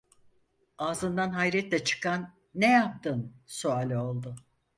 Ağzından hayretle çıkan "Ne yaptın?" suali oldu.